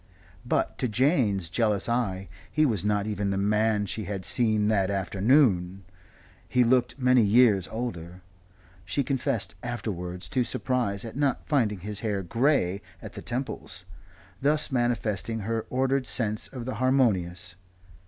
But to Jane's jealous eye he was not even the man she had seen that afternoon. He looked many years older. She confessed afterwards to surprise at not finding his hair grey at the temples, thus manifesting her ordered sense of the harmonious.